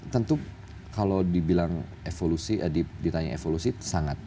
tentu kalau dibilang evolusi ditanya evolusi sangat